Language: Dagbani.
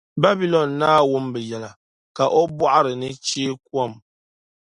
Babilɔn naa wum bɛ yɛla, ka o bɔɣiri ni chee kom.